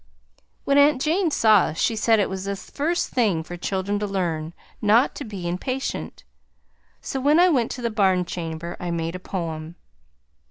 When Aunt Jane saw us she said it was the first thing for children to learn, not to be impatient, so when I went to the barn chamber I made a poem.